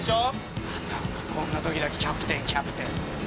またお前こんなときだけキャプテンキャプテンって。